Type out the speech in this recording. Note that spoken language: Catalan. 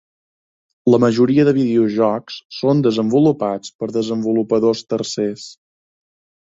La majoria de videojocs són desenvolupats per desenvolupadors tercers.